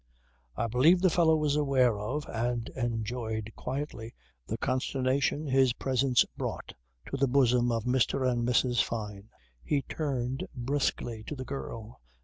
I believe the fellow was aware of, and enjoyed quietly, the consternation his presence brought to the bosom of Mr. and Mrs. Fyne. He turned briskly to the girl.